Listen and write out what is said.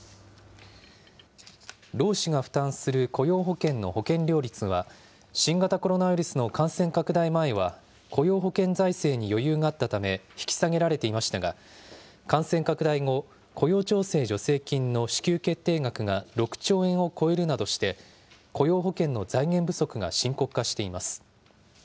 労使が負担する雇用保険の保険料率は、新型コロナウイルスの感染拡大前は雇用保険財政に余裕があったため、引き下げられていましたが、感染拡大後、雇用調整助成金の支給決定額が６兆円を超えるなどして、雇用保険の財源不足が深刻化しています。